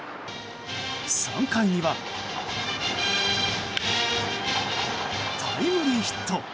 ３回にはタイムリーヒット。